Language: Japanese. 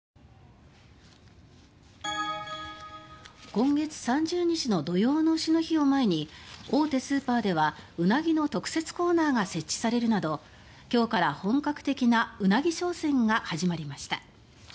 今月３０日の土用の丑の日を前に大手スーパーではうなぎの特設コーナーが設置されるなど今日から本格的なうなぎ商戦が始まりました。